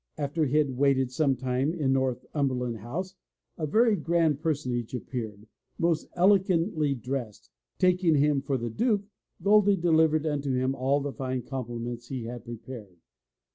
After he had waited some time in Northumberland House a very grand personage appeared, most elegantly dressed. Taking him for the Duke, Goldy*' delivered unto him all the fine compliments he had prepared.